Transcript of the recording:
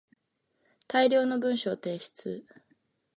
大量の文章の提出